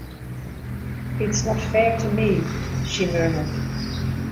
“It’s not fair to me,” she murmured.